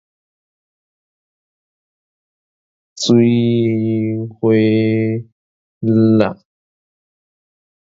喙花利